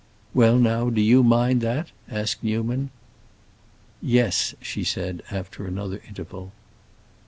"Well, now, do you mind that?" asked Newman. "Yes!" she said, after another interval.